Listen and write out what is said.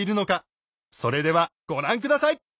それではご覧下さい！